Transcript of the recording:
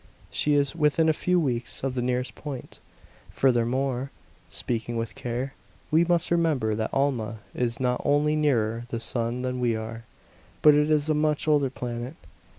She is within a few weeks of the nearest point. Furthermore" speaking with care "we must remember that Alma is not only nearer the sun than we are, but it is a much older planet.